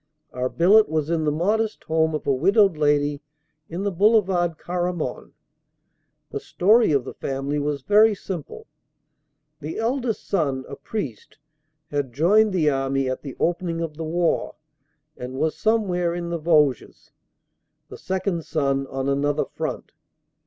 Our billet was in the modest home of a widowed lady in the Boulevard Caraman. The 348 OPERATIONS: OCT. 20 30 349 story of the family was very simple. The eldest son, a priest, had joined the army at the opening of the war and was some where in the Vosges; the second son on another front.